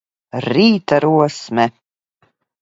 Rīta rosme!